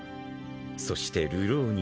［そして流浪人